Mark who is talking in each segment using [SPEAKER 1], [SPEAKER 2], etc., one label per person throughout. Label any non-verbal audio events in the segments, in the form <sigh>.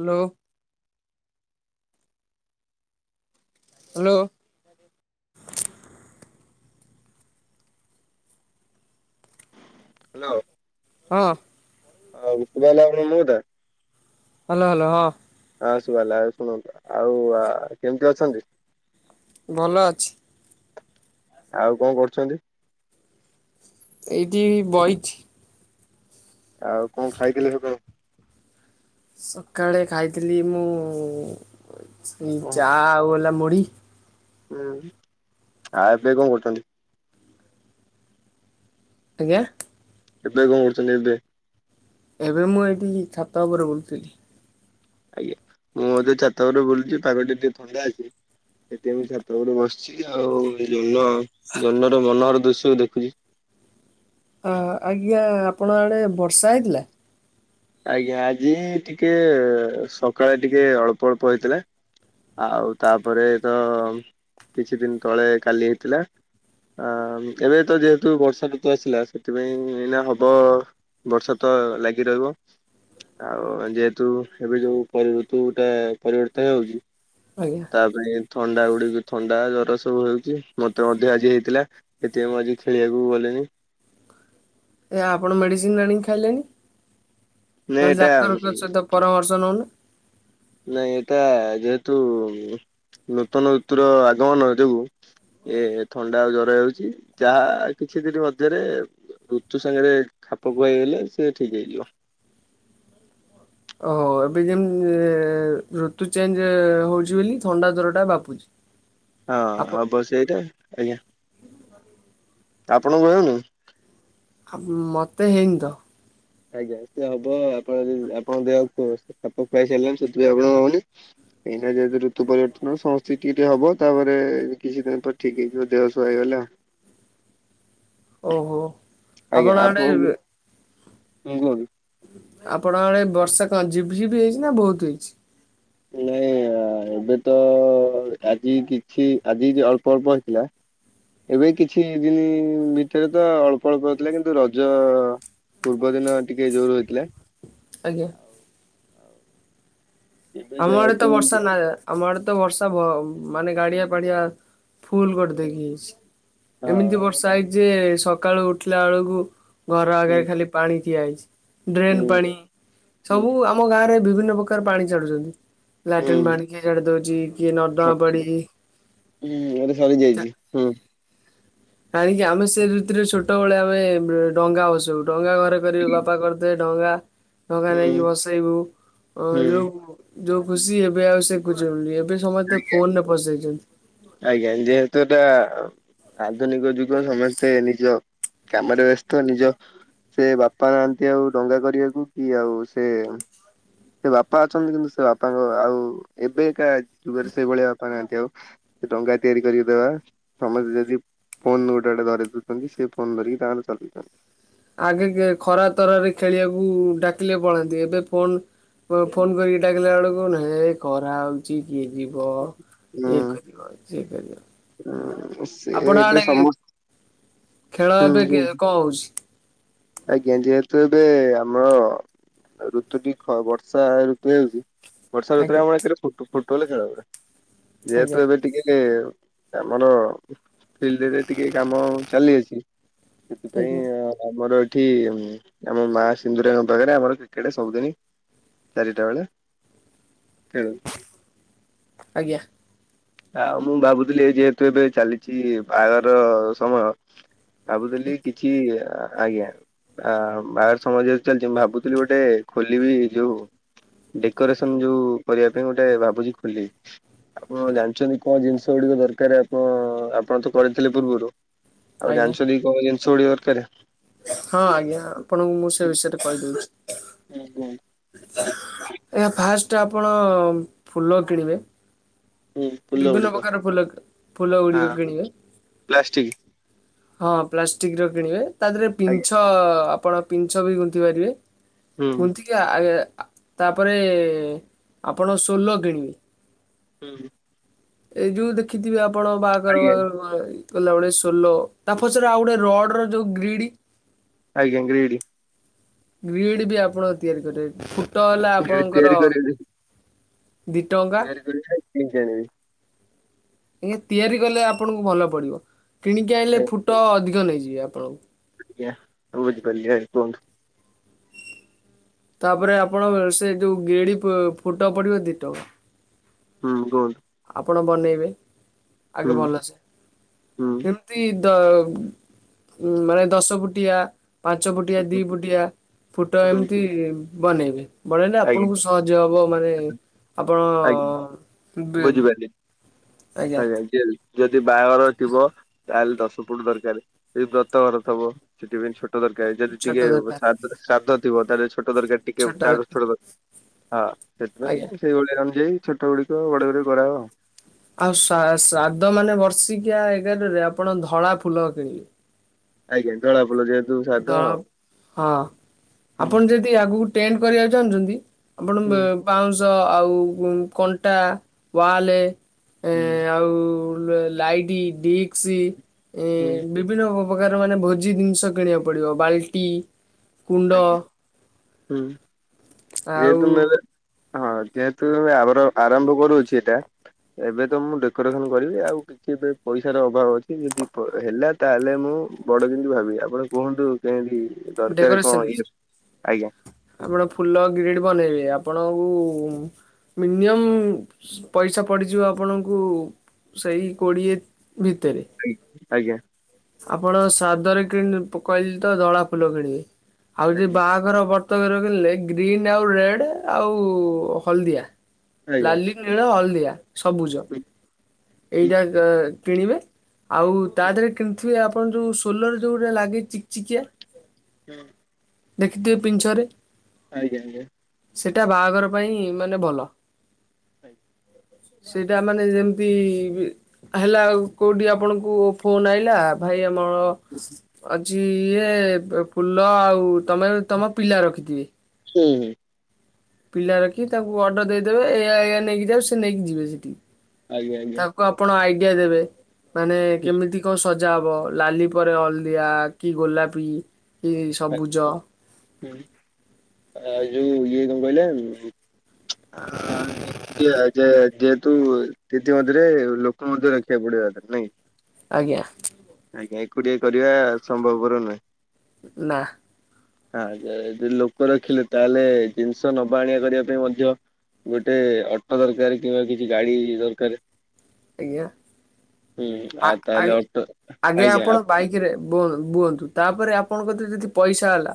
[SPEAKER 1] Hello. Hello.
[SPEAKER 2] Hello.
[SPEAKER 1] ହଁ।
[SPEAKER 2] ଆଉ ସୁଗା ହେଲାଣି ମୋ କଥା?
[SPEAKER 1] ହାଲୋ, ହାଲୋ ହଁ।
[SPEAKER 2] ଆ, ଶୁବା ହେଲା ଆଉ ଶୁଣନ୍ ଆଉ ଆ, କେମିତି ଅଛନ୍ତି?
[SPEAKER 1] ଭଲ ଅଛି।
[SPEAKER 2] ଆଉ କଣ କରୁଛନ୍ତି?
[SPEAKER 1] ଏଇଟି ବଇଛି।
[SPEAKER 2] ଆଉ କଣ ଖାଇଥିଲେ ସକାଳୁ?
[SPEAKER 1] ସକାଳେ ଖାଇଥିଲି ମୁଁ ଉଁ, ଚା ଆଉ ଗଲା ମୁଡି।
[SPEAKER 2] ଆ, ଏବେ କଣ କରୁଛନ୍ତି?
[SPEAKER 1] ଆଜ୍ଞା।
[SPEAKER 2] ଏବେ କଣ କରୁଛନ୍ତି ଏବେ?
[SPEAKER 1] ଏବେ ମୁଁ ଏଇଠି ଛାତ ଉପରେ ବୁଲୁଥିଲି।
[SPEAKER 2] ଆଜ୍ଞା ମୁଁ ଏବେ ଛାତ ଉପରେ ବୁଲୁଚି, ପାଗ ଟି ଟିକେ ଥଣ୍ଡା ଅଛିି। ସେଥିପାଇଁ ମୁଁ ଛାତ ଉପରେ ବସିଛି। ଆଉ ଏଇ ଜନ ଜନର ମନୋହର ଦୃଶ୍ୟ ଦେଖୁଚି।
[SPEAKER 1] ଅ, ଆଜ୍ଞା ଆପଣ ଆଡ଼େ ବର୍ଷା ହେଇଥିଲା?
[SPEAKER 2] ଆଜ୍ଞା ଆଜି ଟିକେ ସଖାଳେ ଟିକେ ଅଳ୍ପ ଅଳ୍ପ ହେଇଥିଲା। ଆଉ ତାପରେ ତ କିଛି ଦିନ ତଳେ କାଲି ହେଇଥିଲା। ଆ, ଉଁ, ଏବେ ତ ଯେହେତୁ ବର୍ଷା ଋତୁ ଆସିଲା ସେଥିପାଇଁ ଏଇନା ହବ। ବର୍ଷା ତ ଲାଗି ରହିବ। ଆଉ ଯେହେତୁ ଏବେ ଯୋଉ ପରି ଋତୁ ଗୁଟେ ପରିବର୍ତ୍ତେ ହଉଚି।
[SPEAKER 1] ଆଜ୍ଞା।
[SPEAKER 2] ତା ପାଇଁ ଥଣ୍ଡା ଗୁଡିକ ଥଣ୍ଡା ଜର ସବୁ ହେଉଚି। ମୋତେ ମଧ୍ୟ ଆଜି ହେଇଥିଲା। ସେଥିପାଇଁ ମୁଁ ଆଜି ଖେଳିବାକୁ ଗଲିନି।
[SPEAKER 1] ଏ ଆପଣ ମେଡ଼ିସିନ୍ ଆଣିକି ଖାଇଲେନି।
[SPEAKER 2] ନାଇଁ
[SPEAKER 1] ନହେଲେ
[SPEAKER 2] ଏଟା
[SPEAKER 1] ଡାକ୍ତରଙ୍କ ସହିତ ପରାମର୍ଶ ନଉନ।
[SPEAKER 2] ନାଇଁ ଏଇଟା ଯେହେତୁ ନୂତନ ଋତୁର ଆଗମନ ଯୋଗୁ ଏ ଥଣ୍ଡା ଆଉ ଜର ହେଉଛି। ଯାହା କିଛି ଦିନ ମଧ୍ୟରେ ଋତୁ ସାଙ୍ଗରେ ଖାପ ଖୁଆଇ ହେଲେ ସେ ଠିକ୍ ହେଇଯିବ।
[SPEAKER 1] ଓ ହୋ, ଏବେ ଯେମ ଏ ଋତୁ ଚେଞ୍ଜ ହଉଛି ବୋଲି ଥଣ୍ଡା ଜର ଟା ବାପୁଛୁ।
[SPEAKER 2] ହଁ ହବ ସେ ସେଇଟାଆଜ୍ଞା <unintelligible>
[SPEAKER 1] ହାମ୍ ମତେ ହେଇନି ତ।
[SPEAKER 2] ଆଜ୍ଞା ସିଏ ହବ ଆପଣ ଯଦି ଆପଣଙ୍କ ଦେହ ଖାପ ଖୁଆଇ ସାରିଲେଣି ସେଥିପାଇଁ ଆପଣଙ୍କୁ ହଉନି। ଏଇନା ଯେହେତୁ ଋତୁ ପରିବର୍ତ୍ତନ ସମସ୍ତକୁ ଟିକେ ଟିକେ ହବ ତାପରେ କିଛି ଦିନ ପରେ ଠିକ୍ ହେଇଯିବ ଦେହ ସୁହା ହେଇଗଲେ ଆଉ
[SPEAKER 1] ଓହୋ।
[SPEAKER 2] ଆଜ୍ଞା
[SPEAKER 1] ଆପଣ ଆଡେ
[SPEAKER 2] ଆପଣକୁ ମୁଁ ଘରୁ
[SPEAKER 1] ଆପଣ ଆଡ଼େ ବର୍ଷା କଣ ଝିପି ଝିପି ହେଇଛି ନା ବହୁତ ହେଇଛି।
[SPEAKER 2] ନାଇଁ ଆ ଏବେ ତ ଆଜି କିଛି ଆଜି ଯ ଅଳ୍ପ ଅଳ୍ପ ହେଇଥିଲା। ଏବେ କିଛି ଦିନ ଭିତରେ ତ ଅଳ୍ପ ଅଳ୍ପ ହେଉଥିଲା କିନ୍ତୁ ରଜ ପୂର୍ବ ଦିନ ଟିକେ ଜୋର ହୋଇଥିଲା।
[SPEAKER 1] ଆଜ୍ଞା।
[SPEAKER 2] ଏବେ
[SPEAKER 1] ଆମ ଆଡେ
[SPEAKER 2] ଯାହାତୁ
[SPEAKER 1] ତ ବର୍ଷା ନାଇଆ। ଆମ ଆଡ଼େତ ବର୍ଷା ମାନେ ଗାଡ଼ିଆ ପାଡ଼ିଆ ଫୁଲ କରି ଦେଇକି ଯାଇଛି।
[SPEAKER 2] ହଁ
[SPEAKER 1] ଏମିତି
[SPEAKER 2] ହୁଁ
[SPEAKER 1] ବର୍ଷା ହେଇଛି ସକାଳୁ ଉଠିଲା ବେଳକୁ ଘର ଆଗରେ ଖାଲି ପାଣି ଦିଆଯଇଛି
[SPEAKER 2] ହୁଁ
[SPEAKER 1] ଡ୍ରେନ ପାଣି
[SPEAKER 2] ହୁଁ
[SPEAKER 1] ସବୁ ଆମ ଗାଁ ରେ ବିଭିନ୍ନ ପ୍ରକାର ପାଣି ଛାଡୁଛନ୍ତି। ଲାଟିନ
[SPEAKER 2] ହୁଁ
[SPEAKER 1] ପାଣି କିଏ ଛାଡ଼ି ଦଉଛି କିଏ ନିର୍ଦମା ପାଣି।
[SPEAKER 2] ହୁଁ ମୋର ସରିଯାଇଛି ହୁଁ।
[SPEAKER 1] କାହିଁକି ଆମେ ସେ ଋତୁରେ ଛୋଟବେେଳେ ଆମେ ଡଙ୍ଗା ବସୁ ଡଙ୍ଗା ଘରେ କରିବେ ବାପା କରିଦେ। ଡଙ୍ଗା ଡଙ୍ଗା
[SPEAKER 2] ହୁଁ
[SPEAKER 1] ନେଇକି ବସେଇବୁ ଅ
[SPEAKER 2] ହୁଁ
[SPEAKER 1] ଯୋଉ ଯୋଉ ଖୁସି ଏବେ ଆଉ ସେ ଖୁଜିବନି ଏବେ ସମସ୍ତେ ଫୋନ ରେ ପସେଇଛନ୍ତି।
[SPEAKER 2] ଆଜ୍ଞା ଯେହେତୁ ଏଟା ଆଧୁନିକ ଯୁଗ ସମସ୍ତେ ନିଜ କାମରେ ବ୍ୟସ୍ତ ନିଜ ସେ ବାପା ନାହାନ୍ତି ଆଉ ଡଙ୍ଗା କରିବାକୁ କି ଆଉ ସେ ସେ ବାପା ଅଛନ୍ତି କିନ୍ତୁ ସେ ବାପାଙ୍କ ଆଉ ଏବେ ଏକା ଯୁଗରେ ସେଇଭଳିଆ ବାପା କାହାନ୍ତି ଆଉ କ'। ସେ ଡଙ୍ଗା ତିଆରି କରିକି ଦେବା ସମସ୍ତେ ଯଦି। ଫୋନ୍ ଗୋଟେ ଗଟେ ଧରି ଦେଉଛନ୍ତି ସେ ଫୋନ୍ ଧରିକି ତାଙ୍କର ଚଲେଇଛନ୍ତି।
[SPEAKER 1] ଆଗେ ଖରା ତରାରେ ଖେଳିବାକୁ ଡାକିଲେ ପଳାନ୍ତି ଏବେ ଫୋନ। ଫୋନ କରିକି ଡାକିଲା ବେଳକୁହୁ ଏଇ କରାଉଛି। କିଏ ଯିବ କରିବାିବାର ଯେ କରିବାିବ।
[SPEAKER 2] ହଁ ସେ ଏବେ ସମ
[SPEAKER 1] ଖେଳ ଏବେ କଣ ହଉଛି।
[SPEAKER 2] ଆଜ୍ଞା ଯେହେତୁ ଏବେ ଆମର। ଋତୁ ଟ ବର୍ଷା ଋତୁ ହେଉଚ୍ଛି ବର୍ଷର ତୁରେ
[SPEAKER 1] ଆଜ୍ଞା
[SPEAKER 2] ଆମ ଭିତରେ ଫୁଟବଲ୍ ଖେଳ ହୁଏ
[SPEAKER 1] ଆଜ୍ଞା
[SPEAKER 2] ଯେହେତୁ ଏବେ ଟିକେ ଆମର ଫିଲ୍ଡରେ ଟିକେ କାମ ଚାଲି ଅଛି ସେଇ
[SPEAKER 1] ଆଜ୍ଞା
[SPEAKER 2] ଆମର ଏଠି ଆମ ମା ସିନ୍ଦୁରାଙ୍କ ପାଖରେ ଆମର କ୍ରିକେଟ ସବୁଦିନ ଚାରିଟା ବେଳେ ଖେଳୁ
[SPEAKER 1] ଆଜ୍ଞା।
[SPEAKER 2] ଆଉ ମୁଁ ଭାବୁଥିଲି ଯେହେତୁ ଏବେ ଚାଲିଛି ବାହାର ସମୟ। ଭଗ୍ଧଥିଲି କିଛି ଆଜ୍ଞା ଆ ବାଘ ସମ ଚାଲିଛି ମୁଁ ଭାବୁଥିଲି ଗୋଟେ ଖୋଲିବି ଯୋଉ ଡେକୋରେସନ ଯୋଉ କରିବା ପାଇଁ ଗୋଟେ ଭାବୁଛି ଖୋଲି ଆପଣ ଜାଣି କଣ ଜିନିଷ ଗୁଡିକ ଦରକାର ଆପଣ ଆପଣ ତ କରିଥିଲେ ପୂର୍ବରୁ ଆଉ
[SPEAKER 1] ଆଜ୍ଞା
[SPEAKER 2] ଜାଣିଛନ୍ତି। କୋଡ଼ ଜିନିଷ ଗୁଡ଼ିକ ଦରକାର।
[SPEAKER 1] ହଁ ଆଜ୍ଞା ଆପଣଙ୍କୁ ମୁଁ ସେ ବିଷୟରେ କହିଦେଉଛି।
[SPEAKER 2] ହୁଁ ହୁ।
[SPEAKER 1] ଆଜ୍ଞା ଫାଷ୍ଟ ଆପଣ ଫୁଲ କିଣିବେ।
[SPEAKER 2] ହୁଁ ଫୁଲ
[SPEAKER 1] ବିଭିନ୍ନ
[SPEAKER 2] ଗୁଡିକ।
[SPEAKER 1] ପ୍ରକାର ଫୁଲ ଫୁଲ ଗୁଡିକ କିଣିବେ।
[SPEAKER 2] ପ୍ଲାଷ୍ଟିକ୍
[SPEAKER 1] ହଁ ପ୍ଲାଷ୍ଟିକ ର କିଣିବେ, ତା ଦେହରେ
[SPEAKER 2] ଆଜ୍ଞା
[SPEAKER 1] ପିଛ ଆପଣ ପିଛ ବି ଗୁନ୍ଥ ପାରିବେ।
[SPEAKER 2] ହୁଁ।
[SPEAKER 1] କୁନ୍ତି କିି ଆ ତାପରେ ଆପଣ ସୋଲ କିଣିବେ।
[SPEAKER 2] ହୁଁ
[SPEAKER 1] ଏଇ ଯୋଉ ଦେଖିଥିବେ ଆପଣ ବାହାଘର
[SPEAKER 2] ଆଜ୍ଞା
[SPEAKER 1] ବାହାଘର କହିଲ ଗୋଟେ ସୋଲୋ ତା ପଛରେ ଆଉ ଗୋଟେ ରଡ ର ଯୋଉ ଗ୍ରୀଡ
[SPEAKER 2] ଆଜ୍ଞା ଗ୍ରୀଡି।
[SPEAKER 1] ଗ୍ରୀଡ଼ ବି ଆପଣ ତିଆରି କରିବେ, ଫୁଟ ହେଲା
[SPEAKER 2] ଗ୍ରୀଡି ତିଆରି
[SPEAKER 1] ଆପଣଙ୍କର
[SPEAKER 2] କରିବି
[SPEAKER 1] ଦି ଟଙ୍କା।
[SPEAKER 2] ତିଆରି କରିବି ନା କିଣିକି ଆଣିବି?
[SPEAKER 1] ଆଜ୍ଞା, ତିଆରି କଲେ ଆପଣଙ୍କୁ ଭଲ ପଡିବ, କିଣିକି ଆଣିଲେ ଫୁଟ ଅଧିକ ନେଇଯିବେ ଆପଣଙ୍କୁ।
[SPEAKER 2] ଆଜ୍ଞା, <unintelligible>
[SPEAKER 1] ତାପରେ ଆପଣ ସେ ଯେଉଁ ଗିଳି ଫୁଟ ପଡ଼ିବେ ଦୁଇଟଙ୍କା।
[SPEAKER 2] ହୁଁ କୁହନ୍ତୁ?
[SPEAKER 1] ଆପଣ ବନେଇବେ ଆଗେ
[SPEAKER 2] ହୁଁ ହୁଁ
[SPEAKER 1] ଭଲସେ। ଦି ଦ ମାନେ ଦଶ ଫୁଟିଆ ପାଞ୍ଚ ଫୁଟିଆ, ଦିଇ ଫୁଟିଆ ଫୁଟ
[SPEAKER 2] ହୁଁ
[SPEAKER 1] ଏମିତି ବନେଇବି ମେନ
[SPEAKER 2] ଆଜ୍ଞା
[SPEAKER 1] ଆପଣଙ୍କୁ ସହଜ ହବ ମାନେ
[SPEAKER 2] ଆଜ୍ଞା
[SPEAKER 1] ଆପଣ
[SPEAKER 2] ବୁଝିପାରିଲି। ଆଜ୍ଞା, ଯଦି ବାହାଘର ଥିବ ତାହେଲେ ଦଶ ଫୁଟ ଦରକାର, ଯଦି ବ୍ରତ ଘର ଥିବ ସେଥିପାଇଁ ଛୋଟ ଦରକାର, ଯଦି
[SPEAKER 1] ଛୋଟ
[SPEAKER 2] ଟିକିଏ
[SPEAKER 1] ଦରକାର
[SPEAKER 2] ଶ୍ରାଦ୍ଧ ଥିବ ତାହେଲେ ଛୋଟ ଦରକାର, ଟିକେ ତା ଛୋଟ ଦରକାର ହଁ,
[SPEAKER 1] ଆଜ୍ଞା।
[SPEAKER 2] ସେଥିପାଇଁ ସେଇ ଭଳିଆ ଅନୁଯାୟୀ ଛୋଟ ଗୁଡିକ ବଡ ଗୁଡ଼ିକ କରାହବ ଆଉ।
[SPEAKER 1] ଆଉ ଶ୍ରାଦ୍ଧ ମାନେ ବର୍ଷିକିଆ ଏଗାରରେ ଆପଣ ଧଳା ଫୁଲ କିଣିବେ।
[SPEAKER 2] ଆଜ୍ଞା, ଧଳା ଫୁଲ ଯେହେତୁ ସାଧା
[SPEAKER 1] ଧଳା ହଁ
[SPEAKER 2] ହୁଁ
[SPEAKER 1] ଆପଣ ଯଦି ଆଗକୁ ଟେଣ୍ଟ କରିବାକୁ ଚାହୁଁଛନ୍ତି? ଆପଣ
[SPEAKER 2] ହୁଁ
[SPEAKER 1] ବାଉଁଶ ଆଉ କଣ୍ଟା, ୱାଲେ
[SPEAKER 2] ହୁଁ
[SPEAKER 1] ଆଉ ଲାଇଟ, ଡିସ୍କ
[SPEAKER 2] ହୁଁ
[SPEAKER 1] ବିଭିନ୍ନ ପ୍ରକାର ମାନେ ଭୋଜି ଜିନିଷ କିଣିବାକୁ ପଡ଼ିବ ବାଲ୍ଟି, କୁଣ୍ଡ
[SPEAKER 2] ଆଜ୍ଞା ହୁଁ।
[SPEAKER 1] ଆଉ
[SPEAKER 2] ଯେହେତୁ ମୁ ଏବେ ହଁ, ଯେହେତୁ ଆ ଆରମ୍ଭ କରୁଛି ଏଇଟା ଏବେ ତ ମୁଁ ଡେକୋରେସନ କରିବି ଆଉ କିଛି ଏବେ ପଇସାର ଅଭାବ ଅଛି ଯଦି ହେଲା ତାହେଲେ ମୁଁ ବଡ ଯେମିତି ଭାବି ଆପଣ କୁହନ୍ତୁ? ଯେମିତି ଦରକାର କଣ
[SPEAKER 1] ଡେକୋରେସନ
[SPEAKER 2] ଇଏ, ଆଜ୍ଞା।
[SPEAKER 1] ଆପଣ ଫୁଲ ଗ୍ରିଡ୍ ବନେଇବେ ଆପଣଙ୍କୁ ମିନିମମ୍ ପଇସା ପଡ଼ିଯିବ ଆପଣଙ୍କୁ, ସେଇ କୋଡ଼ିଏ ଭିତରେ
[SPEAKER 2] ଆଜ୍ଞା ଆଜ୍ଞା।
[SPEAKER 1] ଆପଣ ସାଦରେ କି କହିଲି ତ ଧଳା ଫୁଲ କିଣିବି ଆଉ ଯଦି
[SPEAKER 2] ଆଜ୍ଞା
[SPEAKER 1] ବା ଘର ବ୍ରତ ଘର କିଣିଲେ ଗ୍ରୀନ ଆଉ ରେଡ ଆଉ ହଳଦିଆ
[SPEAKER 2] ଆଜ୍ଞା ଆଜ୍ଞା ଆଜ୍ଞା
[SPEAKER 1] ଲାଲି ନୀଳ, ହଳଦିଆ, ସବୁଜ
[SPEAKER 2] ହୁଁ ହୁଁ
[SPEAKER 1] ଏଇଟା କିଣିବେ ଆଉ ତା ଦେହରେ କିଣିଥିବେ ଆପଣ ଯୋଉ ସୋଲରେ ଯୋଉ ଗୋଟେ ଲାଗେ ଚିକିଚିକିଆ
[SPEAKER 2] ହଁ।
[SPEAKER 1] ଦେଖିଥିବେ ପିଞ୍ଛରେ
[SPEAKER 2] ଆଜ୍ଞା ଆଜ୍ଞା।
[SPEAKER 1] ସେଟା ବାହାଘର ପାଇଁ ମାନେ ଭଲ
[SPEAKER 2] <inaudible>
[SPEAKER 1] ସେଇଟା ମାନେ ଯେମିତି ହେଲା ଆଉ କେଉଁଠି ଆପଣଙ୍କୁ ଫୋନ୍ ଆଇଲା ଭାଇ ଆମର ଛି ଇଏ ଫୁଲ ଆଉ ତମେ ତମ ପିଲା ରଖିଥିବେ
[SPEAKER 2] ହୁଁ, ହୁଁ।
[SPEAKER 1] ପିଲା ରଖି ତାଙ୍କୁ ଅର୍ଡ଼ର ଦେଇଦେବେ ଏଇଆ ଏଇଆ ନେଇକି ଯାଉ ସେ ନେଇକି ଯିବେ ସେଠି
[SPEAKER 2] ଆଜ୍ଞା ଆଜ୍ଞା।
[SPEAKER 1] ତାଙ୍କୁ ଆପଣ ଆଇଡିଆ ଦେବେ, ମାନେ କେମିତି ସଜା ହବ ଲାଲି ପରେ ହଳଦିଆ କି ଗୋଲାପି କି ସବୁଜ
[SPEAKER 2] ହୁଁ ଆଇ ଯୋଉ ଇଏ କଣ କହିଲେ <unintelligible> ତିତି ମଧ୍ୟରେ ଲୋକ ମଧ୍ୟ ରଖିବାକୁ ପଡିବ ନାଇଁ।
[SPEAKER 1] ଆଜ୍ଞା।
[SPEAKER 2] ଆଜ୍ଞା ଏକୁଟିଆ କରିବା ସମ୍ଭବପର ନୁହେଁ।
[SPEAKER 1] ନା।
[SPEAKER 2] ଆ ଯଦି ଲୋକ ରଖିଲେ ତାହେଲେ ଜିନିଷ ନବା ଆଣିବା କରିବା ପାଇଁ ମଧ୍ୟ ଗୋଟେ ଅଟୋ ଦରକାର କିମ୍ବା କିଛି ଗାଡି ଦରକାର।
[SPEAKER 1] ଆଜ୍ଞା
[SPEAKER 2] ହୁଁ ଆଉ ତାହେଲେ ଅଟୋ
[SPEAKER 1] ଆଜ୍ଞା ଆପଣ ବାଇକ ରେ ବୁଅନ୍ ବୁହନ୍ତୁ ତାପରେ ଆପଣଙ୍କ ଯଦି ପଇସା ହେଲା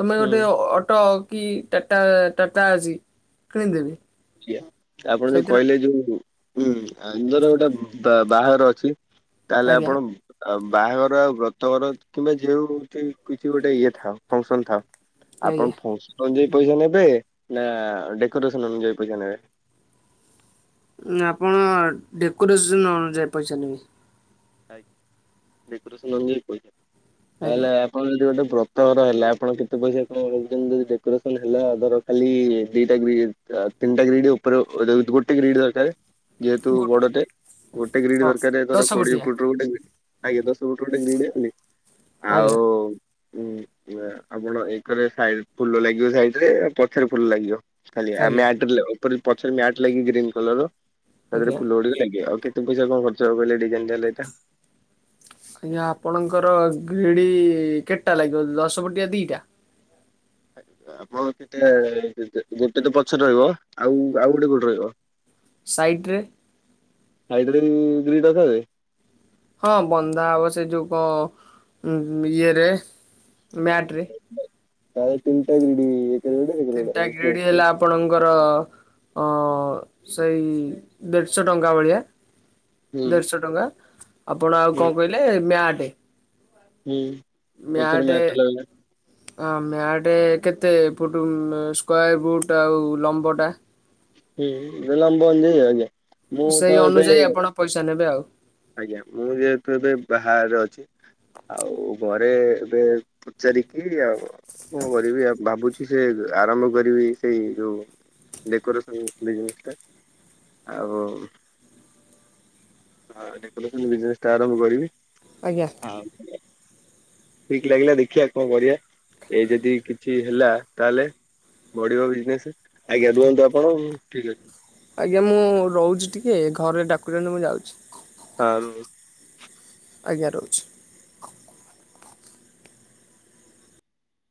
[SPEAKER 1] ତମେ
[SPEAKER 2] ହୁଁ
[SPEAKER 1] ଗୋଟେ ଅଟୋ କି ଟାଟା ଟାଟା ଆଜି କିଣି ଦେବେ।
[SPEAKER 2] କିଏ ଆପଣ ଯୋଉ କହିଲେ ଯୋଉ ହୁଁ ଆନ୍ଦୋର ଗୋଟେ ବା ବାହାଘର ଅଛି ତାହେଲେ
[SPEAKER 1] ଆଜ୍ଞା
[SPEAKER 2] ଆପଣ ଆଉ ବାହାଘର ଆଉ ବ୍ରତଘର କିମ୍ବା ଯେଉଁଠି କିଛି ଗୋଟେ ଇଏ ଥାଉ ଫଙ୍କ୍ସନ ଥାଉ।
[SPEAKER 1] ଆଜ୍ଞା।
[SPEAKER 2] ଆପଣ ଫଙ୍କ୍ସନ ଅନୁଯାୟୀ ପଇସା ନେବେ ନା ଡେକୋରେସନ ଅନୁଯାୟୀ ପଇସା ନେବେ।
[SPEAKER 1] ନା ଆପଣ ଡେକୋରେସନ ଅନୁଯାୟୀ ପଇସା ନେବେ।
[SPEAKER 2] ଆ ଡେକୋରେସନ ଅନୂଯାଇ ପଇସା
[SPEAKER 1] ଆଜ୍ଞା।
[SPEAKER 2] ତାହେଲେ ଆ କଣ ଯଦି ଗୋଟେ ବ୍ରତଘର ହେଲା ଆପଣ କେତେ ପଇସା କଣ ନଉଛନ୍ତି ଯଦି ଡେକୋରେସନ ହେଲା ଧର ଖାଲି ଦିଟା ଇଏ ୟା ତିନିଟା ଗ୍ରିଡ୍ ଉପରେ ଓ ଗୋଟେ ଗ୍ରିଡି ଦରକାରେ। ଯେହେତୁ
[SPEAKER 1] ଗୋ
[SPEAKER 2] ବଡଟେ ଗୋଟେ ଗ୍ରୀଡ
[SPEAKER 1] ହଁ
[SPEAKER 2] ଦରକାର ଧର
[SPEAKER 1] ଦଶ
[SPEAKER 2] କୋଡିଏ
[SPEAKER 1] ପଟିଆ
[SPEAKER 2] ଫୁଟର ଆଜ୍ଞା ଦଶ ଫୁଟର ଗୋଟେ ଗ୍ରିଡ ଦେନି ଆଉ
[SPEAKER 1] ଆଜ୍ଞା
[SPEAKER 2] ଉୁଁ ଆପଣ ଏକ୍ ରେ ସାଇ ଫୁଲ ଲାଗିବ ସାଇଡ୍ ରେ ପଛରେ ଫୁଲ ଲାଗିବ। ଖାଲି ଆ
[SPEAKER 1] ଆଜ୍ଞା
[SPEAKER 2] ମ୍ୟାଟ୍ ଲେ ଉପରେ ପଛରେ ମ୍ୟାଟ ଲାଗି ଗ୍ରୀନ୍ କଲର୍ ର ତା ଦେହେରେ
[SPEAKER 1] ଆଜ୍ଞା।
[SPEAKER 2] ଫୁଲ ଗୁଡିକ ଲାଗିବ ଓକେ। ତେ ପଇସା କଣ ଖର୍ଚ୍ଚ ହବ କଲେ ଡିଜାଇନ୍ ଦେଲେ ଏଟା।
[SPEAKER 1] ଆଜ୍ଞା ଆପଣଙ୍କର ଭିଡ଼ି କେତେଟା ଲାଗିବ ଦଶ ପଟିଆ ଦିଟା?
[SPEAKER 2] ଆପଣଙ୍କ କେତେ ଗୋଟେ ତ ପଛରେ ରହିବ। ଆଉ ଆଉ ଗୋଟେ କଉଠେ ରହିବ?
[SPEAKER 1] ସାଇଟ୍ ରେ।
[SPEAKER 2] ସାଇଟ୍ ରେ ବି ଗ୍ରିଡ ଦେବେ?
[SPEAKER 1] ହଁ ବନ୍ଧା ହବ ସେ ଯୋଉ କଣ ଉଁ ଇଏରେ। ମ୍ୟାଟ ରେ। ତିନିଟା ଗ୍ରେଡି ହେଲା
[SPEAKER 2] <unintelligible>
[SPEAKER 1] ଆପଣଙ୍କର ଅ ସେଇ ଦେଢ଼ଶ ଟଙ୍କା ଭଳିଆ।
[SPEAKER 2] ହୁଁ
[SPEAKER 1] ଦେଢଶ ଟଙ୍କା ଆପଣ ଆଉ କଣ କହିଲେ ମ୍ୟାଟେ?
[SPEAKER 2] ହୁଁ। ପଛରେ
[SPEAKER 1] ମ୍ୟାଟେ
[SPEAKER 2] ମ୍ୟାଟ୍ ଲଗା
[SPEAKER 1] ଆ ମ୍ୟାଟେ କେତେ ଫୁଟ୍ ସ୍କୋଆର୍ ଫୁଟ ଆଉ ଲମ୍ବ ଟା? ସେଇ ଅନୁଯାୟୀ ଆପଣ
[SPEAKER 2] <unintelligible>
[SPEAKER 1] ପଇସା ନେବେ ଆଉ।
[SPEAKER 2] ଆଜ୍ଞା ମୁଁ ଯେହେତୁ ଏବେ ବାହାରେ ଅଛି। ଆଉ ଘରେ ଏବେ ପଚାରିକି ଆଉ କଣ କରିବି ଭାବୁଚି ସେ ଆରମ୍ଭ କରିବି ସେଇ ଯୋଉ ଡେକୋରେସନ୍ ବିଜନେସ୍ ଟା ଆଉ ଆଉ ଡେକୋରେସନ ବିଜନେସ ଟା ଆରମ୍ଭ କରିବି।
[SPEAKER 1] ଆଜ୍ଞା।
[SPEAKER 2] <unintelligible> ଠିକ୍ ଲାଗିଲା ଦେଖିବା କଣ କରିବା ଏଇ ଯଦି କିଛି ହେଲା ତାହେଲେ ବଢ଼ିବ ବିଜନେସ୍। ଆଜ୍ଞା ରୁହନ୍ତୁ ଆପଣ ଠିକ୍ ଅଛି।
[SPEAKER 1] ଆଜ୍ଞା ମୁଁ ରହୁଚି ଟିକେ ଘରେ ଡାକୁଚନ୍ତି ମୁଁ ଯାଉଚି।
[SPEAKER 2] ହଁ ରୁହ।
[SPEAKER 1] ଆଜ୍ଞା ରହୁଚି।